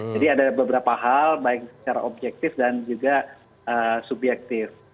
jadi ada beberapa hal baik secara objektif dan juga subyektif